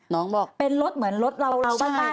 น้องบอกเป็นรถเหมือนรถเราบ้าน